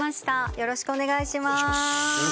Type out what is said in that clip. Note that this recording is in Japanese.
よろしくお願いします。